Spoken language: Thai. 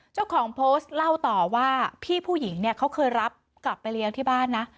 เจ้าของโพสต์เล่าต่อว่าพี่ผู้หญิงเนี่ยเขาเคยรับกลับไปเลี้ยงที่บ้านนะ